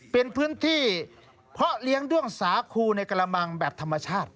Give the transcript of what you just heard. เป็นพื้นที่เพาะเลี้ยงด้วงสาคูในกระมังแบบธรรมชาติ